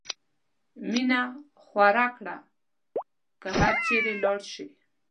مینه خوره کړه که هر چېرې لاړ شې.